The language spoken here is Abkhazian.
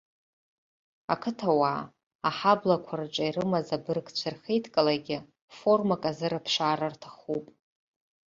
Ақыҭауаа, аҳаблақәа рҿы ирымаз абыргцәа рхеидкылагьы формак азырыԥшаар рҭахуп.